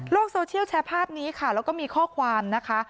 โซเชียลแชร์ภาพนี้ค่ะแล้วก็มีข้อความนะคะ